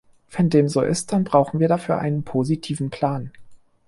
Wenn dem so ist, dann brauchen wir dafür einen positiven Plan.